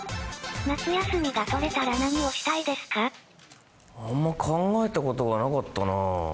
夏休みが取れたら何をしたいあんま考えたことがなかったな。